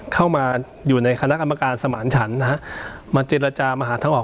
เข้ามาอยู่ในคณะกรรมการสมารฉัน